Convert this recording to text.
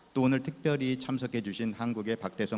dan presiden baeril